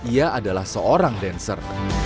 ia adalah seorang dancer